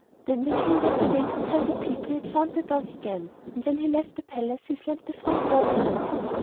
Then the King went away to tell the people he had found the dog again, and when he left the palace he slammed the front door behind him.